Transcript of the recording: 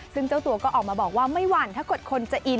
ซึ่งเจ้าตัวก็ออกมาบอกว่าไม่หวั่นถ้าเกิดคนจะอิน